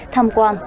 tham quan tự hành